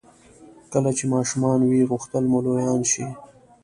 کله چې ماشومان وئ غوښتل مو لویان شئ.